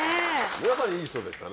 皆さんいい人でしたね。